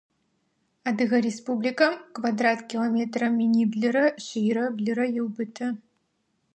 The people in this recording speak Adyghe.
Адыгэ Республикэм квадрат километрэ миныблырэ шъийрэ блырэ еубыты.